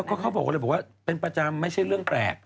ก็เขาบอกเลยบอกว่าเป็นประจำไม่ใช่เรื่องแปลก